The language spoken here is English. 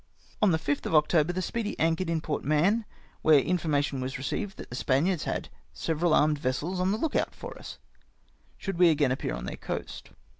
On the 5th of October, the Speedy anchored in Port Mahon, where urformation was received that the Spaniards had several armed vessels on the look out for us, should we again appear on their coast.